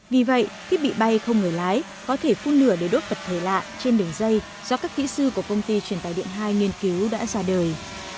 vì vậy thiết bị bay không người lái có thể phun lửa để đốt vật thể lạ trên đường dây do các kỹ sư của công ty truyền tài điện hai nghiên cứu đã ra đời